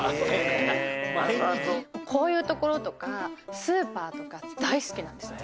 「こういう所とかスーパーとか大好きなんですよ」